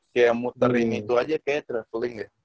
kayak muterin itu aja kayaknya traveling ya